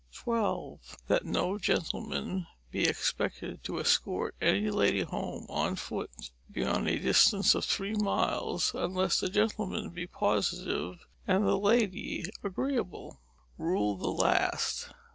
RULE XII. That no gentleman be expected to escort any lady home on foot beyond a distance of three miles, unless the gentleman be positive and the lady agreeable. RULE THE LAST.